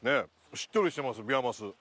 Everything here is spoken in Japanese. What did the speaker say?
しっとりしてますビワマス。